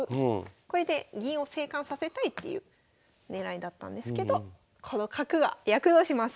これで銀を生還させたいっていう狙いだったんですけどこの角が役立ちます。